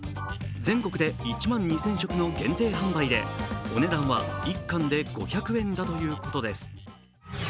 全国で１万２０００食の限定販売でお値段は１貫で５００円だということです。